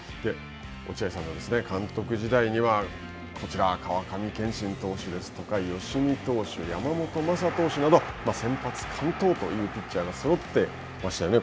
落合さんの監督時代にはこちら、川上憲伸投手ですとか、吉見投手、山本昌投手など、先発完投というピッチャーがそろってましたよね。